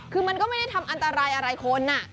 คือมันก็ไม่ได้ทำอันตรายอะไรคน